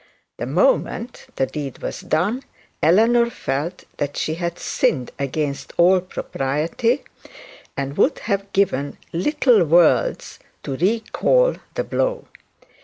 The moment the deed was done, Eleanor felt that she had sinned against all propriety, and would have given little worlds to recall the blow.